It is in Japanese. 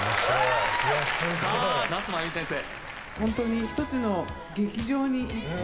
さあ夏まゆみ先生